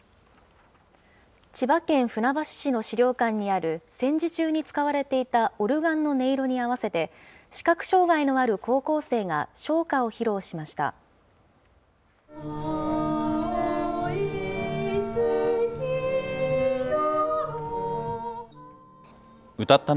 千葉県船橋市の資料館にある、戦時中に使われていたオルガンの音色に合わせて、視覚障害のある高校生が唱歌を披露しました。